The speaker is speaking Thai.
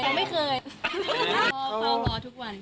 ก็แบบเค้ารอทุกวัน